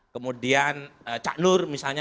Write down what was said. kemudian cak nur misalnya